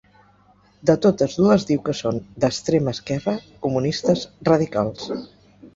De totes dues diu que són ‘d’extrema esquerra, comunistes, radicals’.